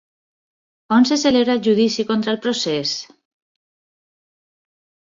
On se celebra el judici contra el procés?